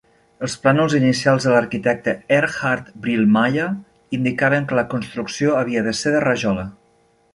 Els plànols inicials de l'arquitecte Erhard Brielmaier indicaven que la construcció havia de ser de rajola.